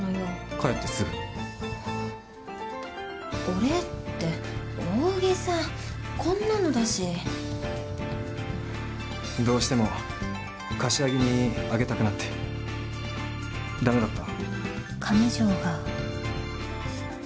帰ってすぐお礼って大袈裟こんなのだしどうしても柏木にあげたくなってダメだった？